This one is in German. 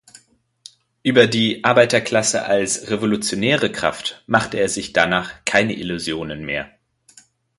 Über die Arbeiterklasse als revolutionäre Kraft machte er sich danach keine Illusionen mehr.